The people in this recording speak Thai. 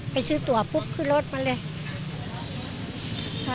ไปซื้อตัวปุ๊บขึ้นรถมาเลย